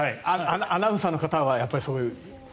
アナウンサーの方はやっぱりそういう。